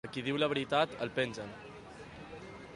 A qui diu la veritat el pengen.